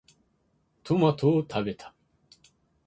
トマトを食べた。